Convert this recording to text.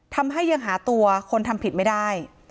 ทำให้ยังหาตัวคนทำผิดไม่ได้